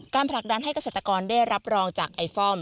ผลักดันให้เกษตรกรได้รับรองจากไอฟอม